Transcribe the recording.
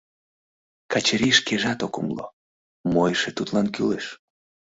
Качырий шкежат ок умыло: мо эше тудлан кӱлеш?